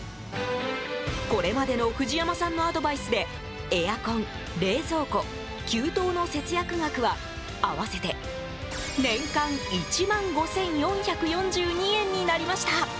これまでの藤山さんのアドバイスでエアコン、冷蔵庫、給湯の節約額は合わせて年間１万５４４２円になりました。